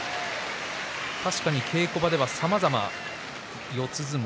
稽古場ではさまざま四つ相撲。